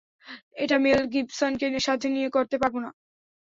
এটা মেল গিবসনকে সাথে নিয়ে করতে পারবো না।